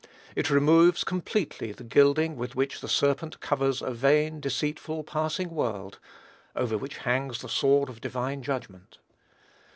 It removes, completely, the gilding with which the serpent covers a vain, deceitful, passing world, over which hangs the sword of divine judgment.